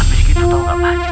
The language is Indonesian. habis gitu tau gak pak haji